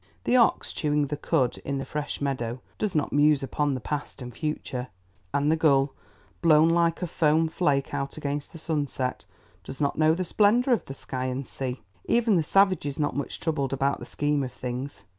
The ox chewing the cud in the fresh meadow does not muse upon the past and future, and the gull blown like a foam flake out against the sunset, does not know the splendour of the sky and sea. Even the savage is not much troubled about the scheme of things.